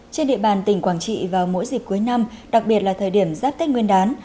trên địa bàn tỉnh quảng trị vào mỗi dịp cuối năm đặc biệt là thời điểm giáp tết nguyên đán